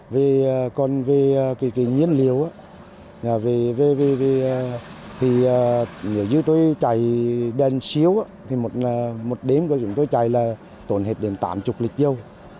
vì còn về cái nhiên liệu thì nếu như tôi chạy đèn siêu thì một đêm của chúng tôi chạy là tổn hết đến tám mươi lịch dầu